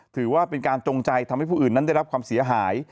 ถือว่าเป็นการจงใจทำให้ผู้อื่นนั้นได้รับความเสียหาย